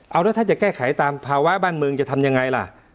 เอาแล้วถ้าจะแก้ไขตามภาวะบ้านเมืองจะทำยังไงล่ะ